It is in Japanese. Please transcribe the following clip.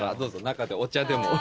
中でお茶でも。